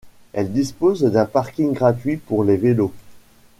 Elle dispose d'un parking gratuit pour les vélos.